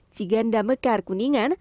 ciganda mekar kuningan